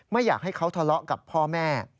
ไม่อยากให้เขาทะเลาะกับพ่อแม่